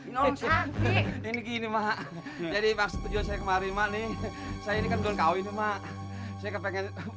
nol sakit ini gini mak jadi maksudnya saya kemarin mak nih saya ini kan belum kawin sama saya kepengen